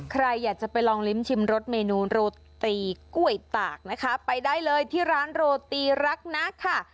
ใครอยากจะไปลองลิ้มชิมรสเมนูโรตีกล้วยตากนะคะไปได้เลยที่ร้านโรตีรักนักค่ะ